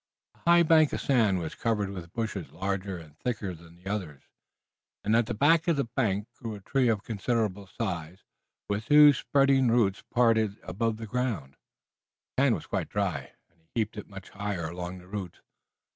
A high bank of sand was covered with bushes larger and thicker than the others, and at the back of the bank grew a tree of considerable size with two spreading roots partly above ground. The sand was quite dry, and he heaped it much higher along the roots.